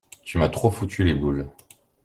Tu m'as trop foutu les boules.